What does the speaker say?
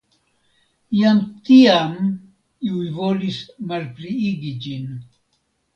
Jam tiam iuj volis malpliigi ĝin.